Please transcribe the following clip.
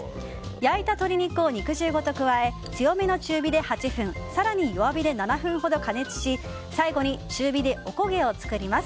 焼いた鶏肉を肉汁ごと加え強めの中火で８分更に弱火で７分ほど加熱し最後に中火でおこげを作ります。